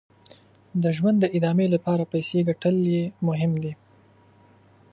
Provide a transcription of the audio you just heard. د ژوند د ادامې لپاره پیسې ګټل یې مهم دي.